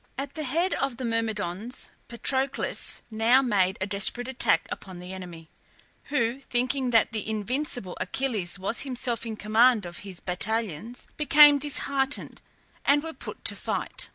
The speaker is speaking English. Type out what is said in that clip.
At the head of the Myrmidons Patroclus now made a desperate attack upon the enemy, who, thinking that the invincible Achilles was himself in command of his battalions, became disheartened, and were put to flight.